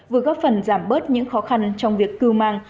vừa góp phần giảm bớt những khó khăn trong việc cưu mang